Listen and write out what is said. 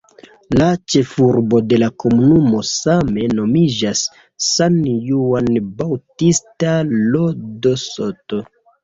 La ĉefurbo de la komunumo same nomiĝas "San Juan Bautista Lo de Soto".